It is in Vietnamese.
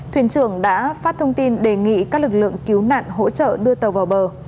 thuyền trưởng đã phát thông tin đề nghị các lực lượng cứu nạn hỗ trợ đưa tàu vào bờ